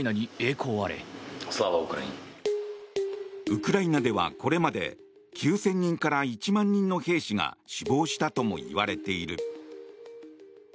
ウクライナではこれまで９０００人から１万人の兵士が死亡したともいわれている。